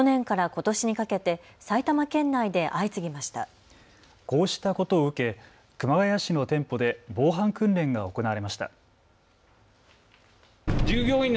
こうしたことを受け、熊谷市の店舗で防犯訓練が行われました。